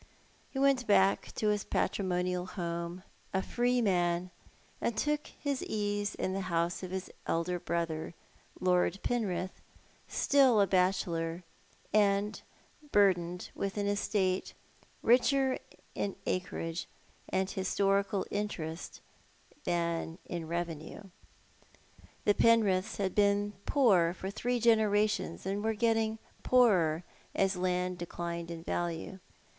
He went back to his patrimonial home a free man, and took his ease in the house of his elder brother, Lord Penrith, still a bachelor, and burdened with an estate richer in acreage and historical interest than in revenue. The Penriths had been poor for three generations^ and were getting poorer as land declined in value.